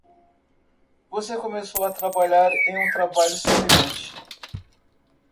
Você começou a trabalhar em um trabalho semelhante.